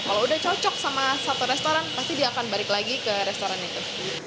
kalau udah cocok sama satu restoran pasti dia akan balik lagi ke restoran itu